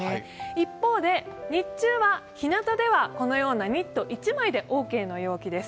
一方で、日中はひなたではこのようなニット１枚でオーケーな陽気です。